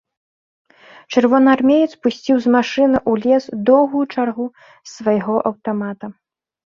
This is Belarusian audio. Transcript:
Чырвонаармеец пусціў з машыны ў лес доўгую чаргу з свайго аўтамата.